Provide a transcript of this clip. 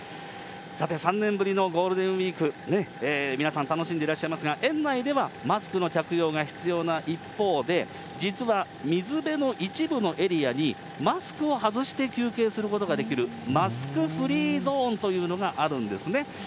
さて、３年ぶりのゴールデンウィーク、皆さん楽しんでらっしゃいますが、園内ではマスクの着用が必要な一方で、実は、水辺の一部のエリアに、マスクを外して休憩することができる、マスクフリーゾーンというのがあるんですね。